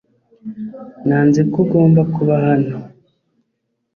Nanze ko ugomba kuba hano .